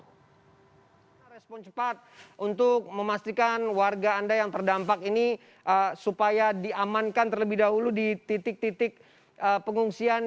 kita respon cepat untuk memastikan warga anda yang terdampak ini supaya diamankan terlebih dahulu di titik titik pengungsian